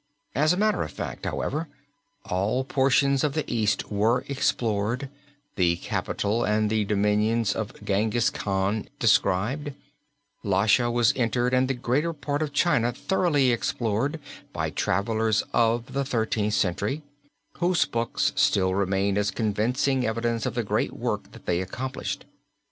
As a matter of fact, however, all portions of the East were explored, the Capital and the dominions of Jenghis Khan described, Lhasa was entered and the greater part of China thoroughly explored by travelers of the Thirteenth Century, whose books still remain as convincing evidence of the great work that they accomplished.